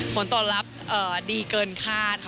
ผลตอบรับดีเกินคาดค่ะ